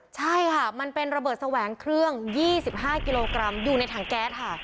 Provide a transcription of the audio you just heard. ใช่ค่ะมันเป็นระเบิดแสวงเครื่อง๒๕กิโลกรัมอยู่ในถังแก๊สค่ะ